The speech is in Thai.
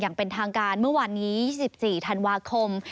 อย่างเป็นทางการเมื่อวานนี้๒๔ธันวาคม